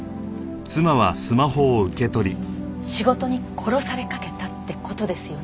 仕事に殺されかけたって事ですよね？